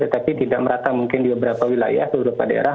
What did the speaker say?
tetapi tidak merata mungkin di beberapa wilayah beberapa daerah